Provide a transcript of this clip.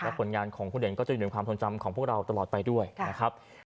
ผลงานของคุณเด่นก็จะอีกหนึ่งความทรงจำของพวกเราตลอดไปด้วยนะครับ